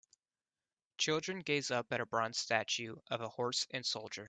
Children gaze up at a bronze statue of a horse and soldier.